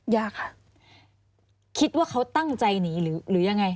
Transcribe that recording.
อยากค่ะคิดว่าเขาตั้งใจหนีหรือยังไง